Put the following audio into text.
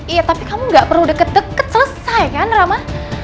iya tapi kamu gak perlu deket deket selesai kan rama